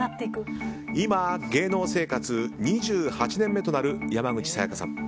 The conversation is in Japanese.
今、芸能生活２８年目となる山口紗弥加さん。